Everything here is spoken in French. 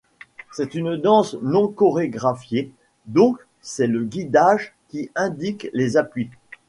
C'est une danse non chorégraphiée, donc c'est le guidage qui indique les appuis.